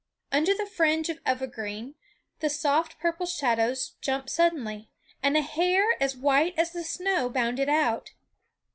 Under the fringe of evergreen the soft purple shadows jumped suddenly, and a hare as white as the snow bounded out.